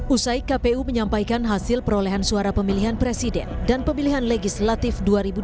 usai kpu menyampaikan hasil perolehan suara pemilihan presiden dan pemilihan legislatif dua ribu dua puluh